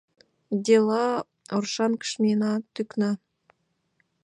«Дела» Оршанкыш миен тӱкна.